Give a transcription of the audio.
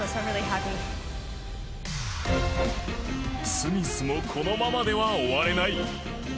スミスもこのままでは終われない。